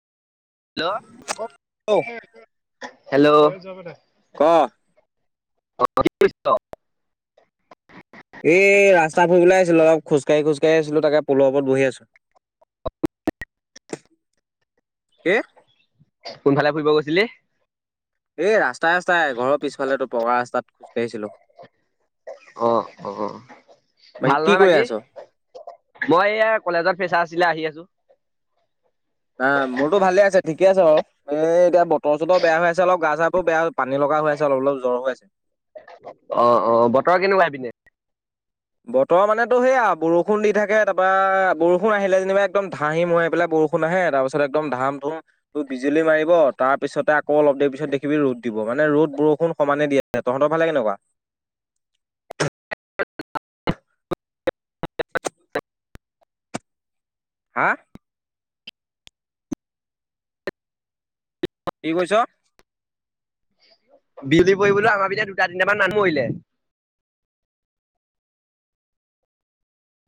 Hello ঔ hello! ক? [unintelligible] এই ৰাস্তা ফুৰিবলৈ আহিছো লগত খোজকাঢ়ি খোজকাঢ়ি আছিলো তাকে পোলৰ ওপৰত বহি আছো। [unintelligible] কি? কোনফালে ফুৰিব গৈছিলি? এই ৰাস্তাই ৰাস্তাই ঘৰৰ পিছফালে তো পকা ৰাস্তাত খোজকাঢ়িছিলো। অ অ অ। ভাল কি নহয় কৰি বাকী আছ? মই এয়া কলেজত ফেচাচ আছিলে আহি আছোঁ। না মোৰ তো ভালে আছে ঠিক। ঠিকে আছে বাৰু এতিয়া বতৰ চতৰ বেয়া হৈ আছে অলপ গা চা বোৰ বেয়া পানী লগা হৈ আছে অলপ অলপ জ্বৰ হৈ আছে। অ অ বতৰ কেনেকুৱা সে পিনে। বতৰ মানে তো সেয়া বৰষুণ দি থাকে তাপা বৰষুণ আহিলে যেনিবা একদম ধাহি মৰাই পেলাই বৰষুণ আহে তাৰপিছত একদম ধাম ধুম বিজুলী মাৰিব তাৰপিছতে আকৌ অলপ দেৰি পিছত দেখিবি ৰ'দ দিব। মানে ৰ'দ বৰষুণ সমানে দি আছে তহতৰ ফালে কেনেকুৱা? [inaudible] হা কি কৈছ? বিজুলী পৰিপোলে আমাৰ পিনে দুটা তিনিটামান মানুহ মৰিলে।